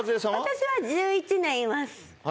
私は１１年います